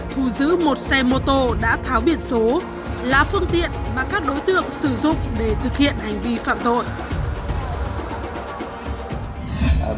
thu giữ một xe mô tô đã tháo biển số là phương tiện mà các đối tượng sử dụng để thực hiện hành vi phạm tội